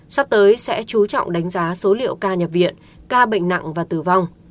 sắp tới sẽ chú trọng đánh giá số liệu ca nhập viện ca bệnh nặng và tử vong